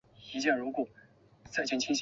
出生于奥地利的哥穆德受训。